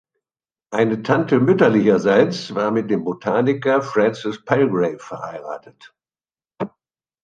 Eine Tante mütterlicherseits war mit dem Botaniker Francis Palgrave verheiratet.